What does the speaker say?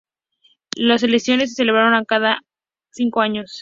Las elecciones se celebran a cabo cada cinco años.